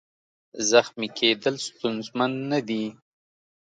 زخمي کېدل ستونزمن نه دي.